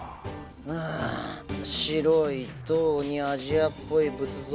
うん白い塔にアジアっぽい仏像